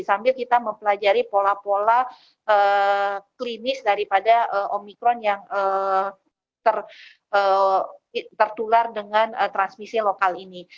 sambil kita mempelajari pola pola klinis daripada omikron yang tertular dengan transmisi lokal ini